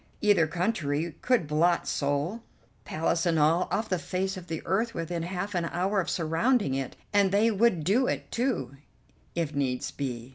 Either country could blot Seoul, Palace and all, off the face of the earth within half an hour of surrounding it, and they would do it, too, if needs be.